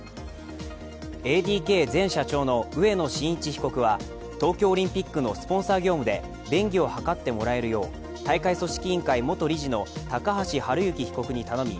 ＡＤＫ前社長の植野伸一被告は東京オリンピックのスポンサー業務で便宜を図ってもらえるよう大会組織委員会元理事の高橋治之被告に頼み